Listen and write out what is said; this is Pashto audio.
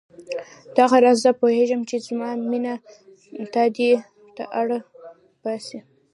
دغه راز زه پوهېږم چې زما مینه تا دې ته اړ باسي.